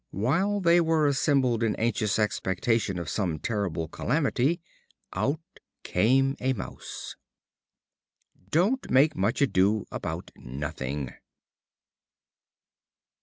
While they were assembled in anxious expectation of some terrible calamity, out came a Mouse. Don't make much ado about nothing.